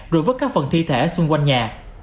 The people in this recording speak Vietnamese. rồi vứt các phần thi thể xung quanh nhà